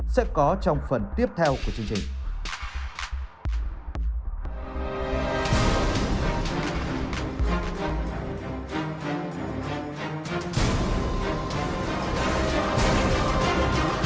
sẽ có trong phần tiếp theo của chương trình